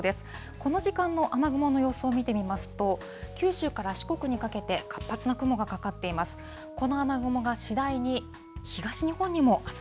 この時間の雨雲の様子を見てみますと、九州から四国にかけて、活発な雲がかかっています。